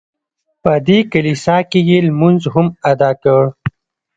په دې کلیسا کې یې لمونځ هم ادا کړ.